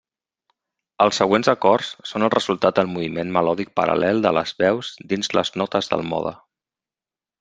Els següents acords són el resultat del moviment melòdic paral·lel de les veus dins les notes del mode.